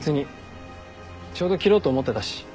ちょうど切ろうと思ってたし。